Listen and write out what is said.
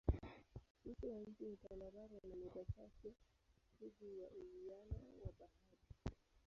Uso wa nchi ni tambarare na mita chache tu juu ya uwiano wa bahari.